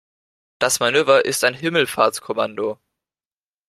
Das Manöver ist ein Himmelfahrtskommando.